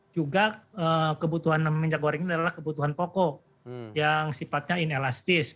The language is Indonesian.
juga kebutuhan minyak goreng ini adalah kebutuhan pokok yang sifatnya inelastis